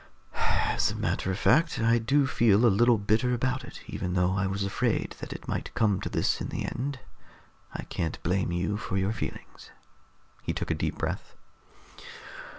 "As a matter of fact, I do feel a little bitter about it, even though I was afraid that it might come to this in the end. I can't blame you for your feelings." He took a deep breath.